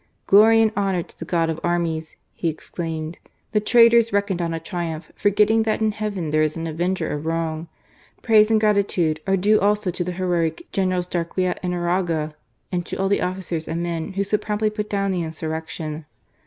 "Glory and honour to the God of armies," he exclaimed, " the traitors reckoned on a triumph ; forgetting that in Heaven there is an Avenger of wrong. Praise and gratitude are due also to the heroic Generals Darquea and Uraga, and to all the officers and men who so promptly put down the insurrection.